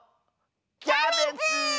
キャベツ！